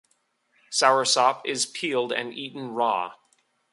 Soursop is peeled and eaten raw.